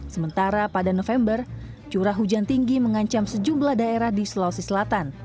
sementara pada november curah hujan tinggi mengancam sejumlah daerah di sulawesi selatan